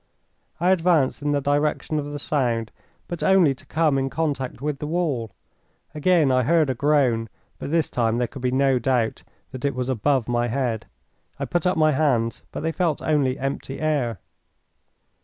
I advanced in the direction of the sound, but only to come in contact with the wall. Again I heard a groan, but this time there could be no doubt that it was above my head. I put up my hands, but they felt only empty air.